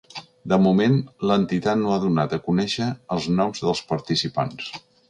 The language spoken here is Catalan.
De moment, l’entitat no ha donat a conèixer els noms dels participants.